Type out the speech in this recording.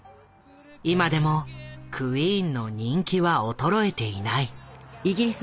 今でもクイーンの人気は衰えていない。